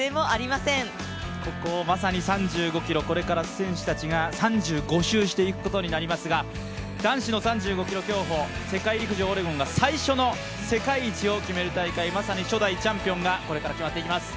ここをまさに、３５ｋｍこれから選手たちが３５周していくことになりますが男子の３５ｋｍ競歩世界陸上オレゴンが最初の世界一を決める大会まさに初代チャンピオンがこれから決まっていきます。